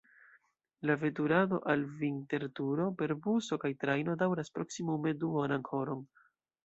La veturado al Vinterturo per buso kaj trajno daŭras proksimume duonan horon.